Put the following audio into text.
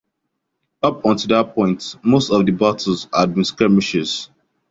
Up until that point, most of the battles had been skirmishes.